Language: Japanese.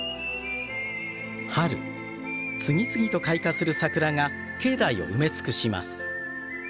春次々と開花する桜が境内を埋め尽くします。